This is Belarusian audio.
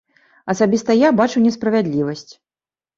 Асабіста я бачу несправядлівасць.